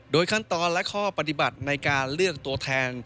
ขั้นตอนและข้อปฏิบัติในการเลือกตัวแทน